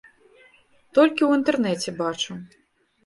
Толькі ў інтэрнэце бачыў.